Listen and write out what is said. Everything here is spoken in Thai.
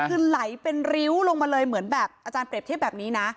คือไหลเป็นริ้วลงมาเลยเหมือนแบบอาจารย์เปรียบเทียบแบบนี้นะ